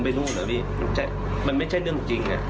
ไม่มีทางที่ว่ามันไม่มีเรื่องจริง